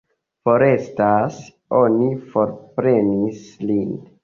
Forestas, oni forprenis lin.